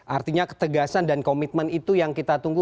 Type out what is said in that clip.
artinya ketegasan dan komitmen itu yang kita tunggu